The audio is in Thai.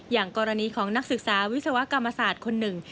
อย่างกรณีของนักศึกษาวิศวกรรมศาสตร์คนหนึ่ง